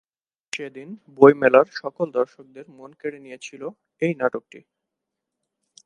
সেদিন বই মেলার সকল দর্শক দের মন কেড়ে নিয়েছিল এই নাটক টি।